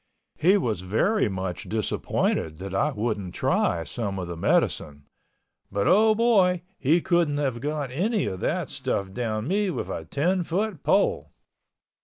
He was very much disappointed that I wouldn't try some of the medicine. But, oh boy, he couldn't have gotten any of that stuff down me with a ten foot pole.